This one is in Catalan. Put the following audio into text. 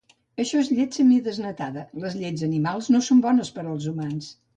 Això és llet semidesnatada, les llets animals no són bones per als humans